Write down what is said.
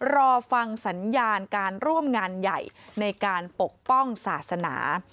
รอฟังสัญญาณการร่วมงานใหญ่ในการปกป้องศาสนา